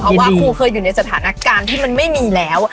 เพราะว่าครูเคยอยู่ในสถานการณ์ที่มันไม่มีแล้ว